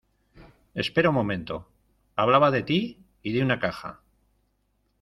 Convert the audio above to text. espera un momento. hablaba de ti y de una caja